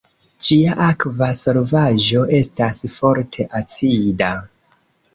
Ĝia akva solvaĵo estas forte acida.